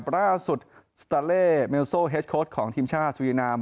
ล่าสุดสตาเลเมโนโซเฮดโคร์ดของทีมชาสุรินาม